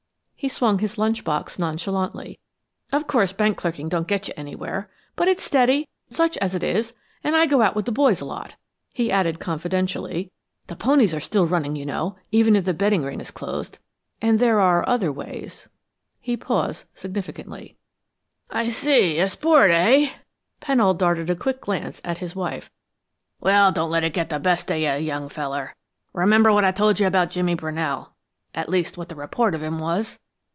He swung his lunch box nonchalantly. "Of course, bank clerking don't get you anywhere, but it's steady, such as it is, and I go out with the boys a lot." He added confidentially: "The ponies are still running, you know, even if the betting ring is closed and there are other ways " He paused significantly. "I see, a sport, eh?" Pennold darted a quick glance at his wife. "Well, don't let it get the best of you, young feller. Remember what I told you about Jimmy Brunell at least, what the report of him was.